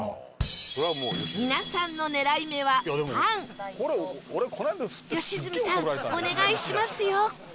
皆さんの狙い目はパン良純さんお願いしますよ